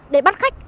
để bắt khách